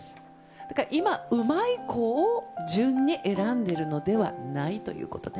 だから今、うまい子を順に選んでるのではないということね。